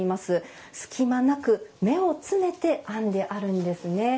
隙間なく目を詰めて編んであるんですね。